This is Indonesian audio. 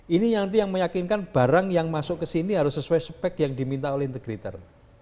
ini yang nanti yang meyakinkan barang yang masuk ke sini harus sesuai spek yang diminta oleh integrator